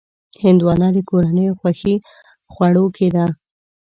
هندوانه د کورنیو خوښې خوړو کې ده.